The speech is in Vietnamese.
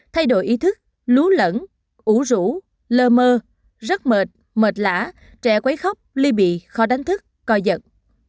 tám thay đổi ý thức lú lẫn ủ rũ lờ mơ rất mệt mệt lã trẻ quấy khóc ly bị khó đánh thức coi giật